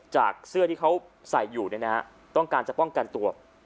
จากเสื้อที่เขาใส่อยู่ต้องการจะป้องกันตัว